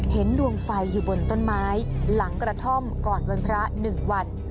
เห็นดวงไฟอยู่บนต้นไม้หลังกระท่อมก่อนวันพระ๑วัน